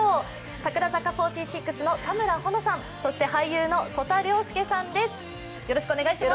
櫻坂４６の田村保乃さん、そして俳優の曽田陵介さんです。